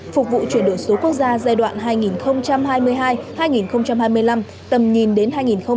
phục vụ chuyển đổi số quốc gia giai đoạn hai nghìn hai mươi hai hai nghìn hai mươi năm tầm nhìn đến hai nghìn ba mươi